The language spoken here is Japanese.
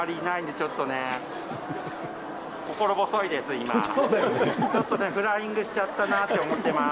ちょっとフライングしちゃったなって思ってます。